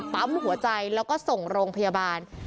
ปั๊มหัวใจแล้วก็ส่งโรงพยาบาล